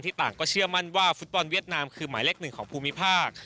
ต่างก็เชื่อมั่นว่าฟุตบอลเวียดนามคือหมายเลขหนึ่งของภูมิภาค